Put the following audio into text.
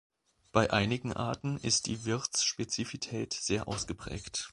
Bei einigen Arten ist die Wirtsspezifität sehr ausgeprägt.